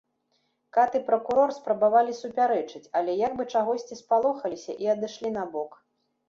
Кат і пракурор спрабавалі супярэчыць, але як бы чагосьці спалохаліся і адышлі набок.